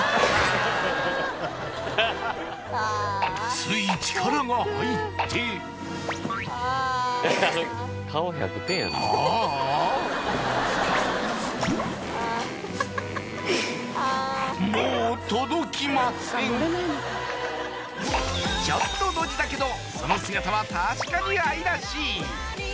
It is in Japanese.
ついもう届きませんちょっとドジだけどその姿は確かに愛らしい